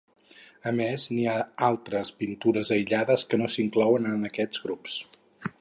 A més n'hi ha altres pintures aïllades que no s'inclouen en aquests grups.